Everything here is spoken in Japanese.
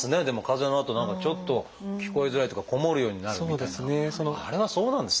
でも風邪のあと何かちょっと聞こえづらいっていうかこもるようになるみたいな。